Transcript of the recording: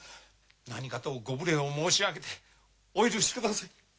何かとご無礼を申し上げてお許しください。